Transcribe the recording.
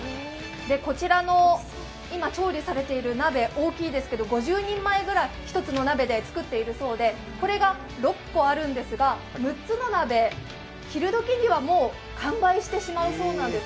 こちらの今、調理されている鍋大きいですけど５０人前ぐらい１つの鍋で作っているそうで、これが６個あるんですが、６つの鍋、昼どきにはもう完売してしまうそうです。